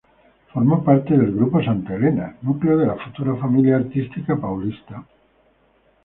Formó parte del Grupo Santa Helena, núcleo de la futura Família Artística Paulista.